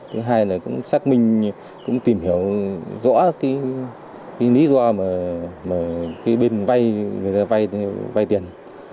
thứ hai là cũng xác minh cũng tìm hiểu rõ cái lý do mà cái bên vay người ta vay tiền